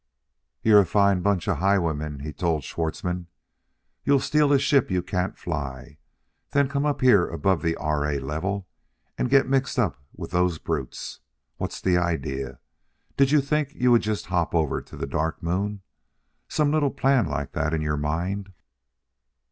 "You're a fine bunch of highwaymen," he told Schwartzmann; "you'll steal a ship you can't fly; then come up here above the R. A. level and get mixed up with those brutes. What's the idea? Did you think you would just hop over to the Dark Moon? Some little plan like that in your mind?"